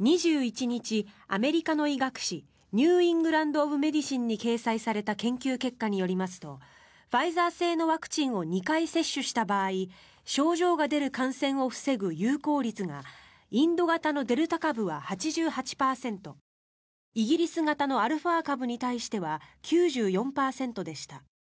２１日、アメリカの医学誌「ニュー・イングランド・オブ・メディシン」に掲載された研究結果によりますとファイザー製のワクチンを２回接種した場合症状が出る感染を防ぐ有効率がインド型のデルタ株は８８％イギリス型のアルファ株に対しては９４％でした。